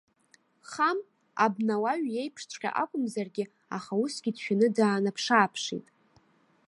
Хам, абнауаҩ иеиԥшҵәҟьа акәымзаргьы, аха усгьы дшәаны даанаԥш-ааԥшит.